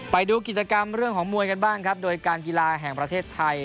ไปดูกิจกรรมเรื่องของมวยกันบ้างครับโดยการกีฬาแห่งประเทศไทย